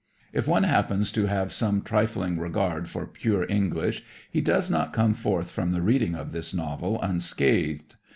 If one happens to have some trifling regard for pure English, he does not come forth from the reading of this novel unscathed.